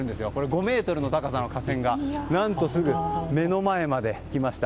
５ｍの高さの架線が何とすぐ目の前まで来ました。